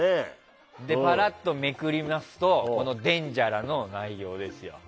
パラっとめくりますと「デンジャラ」の内容ですよ。